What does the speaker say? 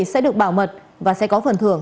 sẽ được bảo mật và sẽ có phần thưởng